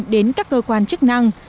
đến các cơ quan chức năng